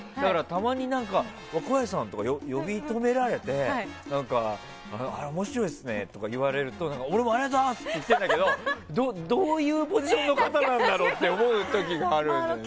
たまに、若林さんとか呼び止められてあれ面白いですねとか言われると俺もありがとうございます！って言っているんだけどどういうポジションの方なんだろうって思う時があるね。